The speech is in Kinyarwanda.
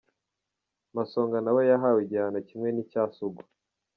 Masonga na we yahawe igihano kimwe n’icya Sugu.